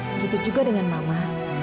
begitu juga dengan mama